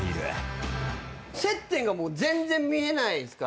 接点が全然見えないっすから。